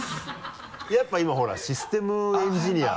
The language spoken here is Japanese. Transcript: やっぱ今ほらシステムエンジニア。